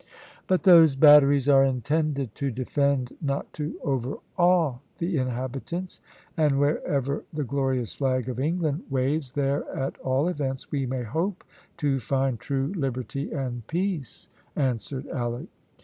"But those batteries are intended to defend not to overawe the inhabitants, and wherever the glorious flag of England waves, there, at all events, we may hope to find true liberty and peace," answered Alick.